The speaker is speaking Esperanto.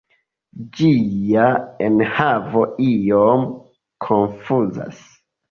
Ĝia enhavo iom konfuzas.